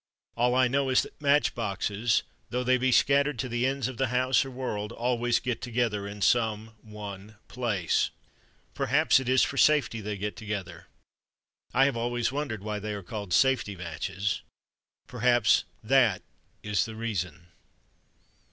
All I know is that Match boxes, though they be scattered to the ends of the house (or World), always get together in some one place. Perhaps it is for safety, they get together. I have always wondered why they are called Safety Matches. Perhaps that is the reason!